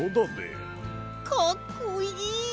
かっこいい！